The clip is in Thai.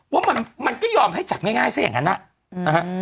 ว่ามันก็ยอมให้จับง่ายซะอย่างนั้นนะฮะ